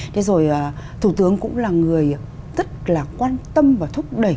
thế rồi thủ tướng cũng là người rất là quan tâm và thúc đẩy